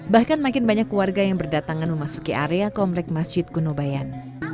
bahkan makin banyak warga yang berdatangan memasuki area komplek masjid kunobayan